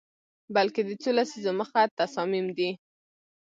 بلکه د څو لسیزو مخه تصامیم دي